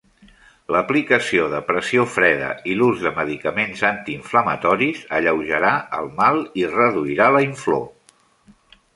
L'aplicació de pressió freda i l'ús de medicaments antiinflamatoris alleujarà el mal i reduirà la inflor.